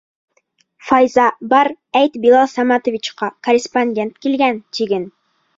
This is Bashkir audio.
Файза, бар, әйт Билал Саматовичҡа, корреспондент килгән, тиген.